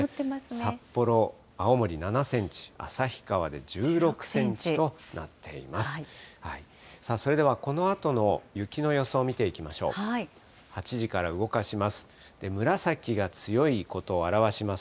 札幌、青森７センチ、旭川で１６センチとなっています。